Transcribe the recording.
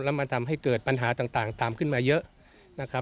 แล้วมันทำให้เกิดปัญหาต่างตามขึ้นมาเยอะนะครับ